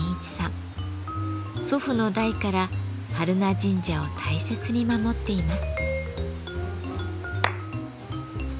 祖父の代から榛名神社を大切に守っています。